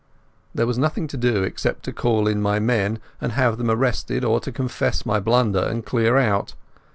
There was nothing to do except to call in my men and have them arrested, or to confess my blunder and clear out.